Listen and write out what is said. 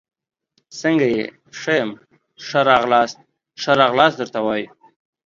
څنګه يي ، ښه يم، ښه راغلاست ، ښه راغلاست درته وایو